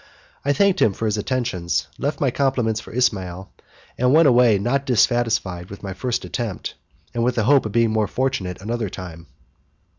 I thanked him for his attentions, left my compliments for Ismail, and went away not dissatisfied with my first attempt, and with the hope of being more fortunate another time.